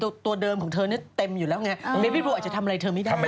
สมมุติเกมย์นี่น่าจะบ้าหนักด้วย